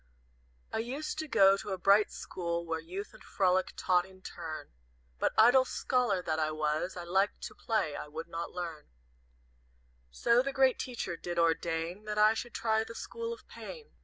"I used to go to a bright school Where Youth and Frolic taught in turn; But idle scholar that I was, I liked to play, I would not learn; So the Great Teacher did ordain That I should try the School of Pain.